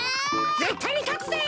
ぜったいにかつぜ！